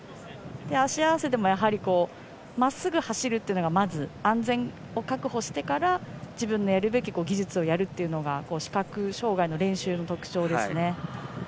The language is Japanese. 足合わせでもまっすぐ走るというのがまず安全を確保してから自分のやるべき技術をやるというのが視覚障がいの練習の特徴ですね。